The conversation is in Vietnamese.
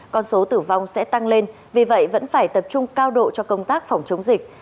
con số tử vong sẽ tăng lên vì vậy vẫn phải tập trung cao độ cho công tác phòng chống dịch